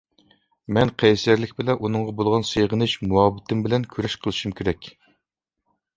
مەن قەيسەرلىك بىلەن ئۇنىڭغا بولغان سېغىنىش، مۇھەببىتىم بىلەن كۈرەش قىلىشىم كېرەك.